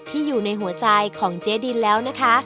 อยู่ในหัวใจของเจ๊ดินแล้วนะคะ